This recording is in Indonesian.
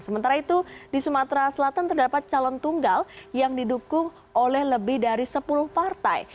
sementara itu di sumatera selatan terdapat calon tunggal yang didukung oleh lebih dari sepuluh partai